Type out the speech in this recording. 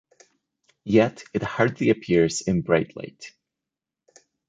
Yet it hardly appears in bright light.